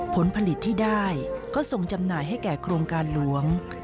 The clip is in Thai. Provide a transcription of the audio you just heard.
ผลผลิตที่ได้ก็ส่งจำหน่ายให้แก่โครงการหลวง